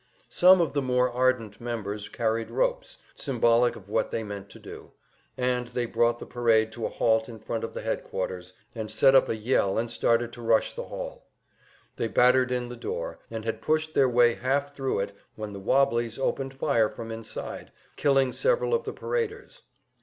Some of the more ardent members carried ropes, symbolic of what they meant to do; and they brought the parade to a halt in front of the headquarters, and set up a yell and started to rush the hall. They battered in the door, and had pushed their way half thru it when the "wobblies" opened fire from inside, killing several of the paraders.